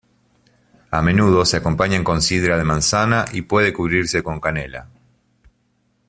A menudo se acompañan con sidra de manzana y puede cubrirse con canela.